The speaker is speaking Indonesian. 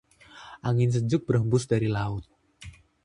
Angin sejuk berhembus dari laut.